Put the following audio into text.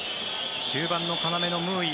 中盤の要のムーイ。